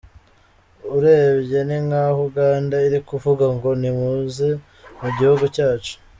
Urebye ni nk’aho Uganda iri kuvuga ngo ntimuze mu gihugu cyacu.”